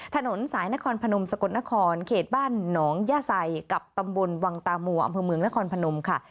ถนนสายนครพนมสกลนครเขตบ้านหนองย่าไซกับตำบลวังตามัวอำเภอเมืองนครพนมค่ะ